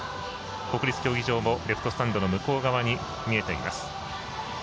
国立競技場もレフトスタンドの向こう側に見えています。